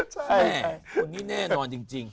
คุณนี่แน่นอนจริง